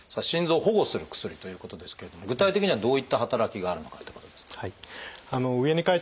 心臓を保護する薬ということですけれども具体的にはどういった働きがあるのかってことですが。